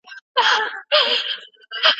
د چاپ اصلي مهال د ساینس په مرسته څرګندیږي.